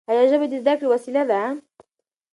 ایا ژبه د زده کړې وسیله ده؟